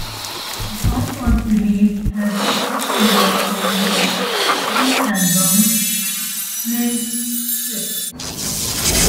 The song was released as the first single from their second album "Sehnsucht".